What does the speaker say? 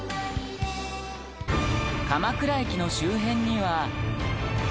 鎌倉駅の周辺には。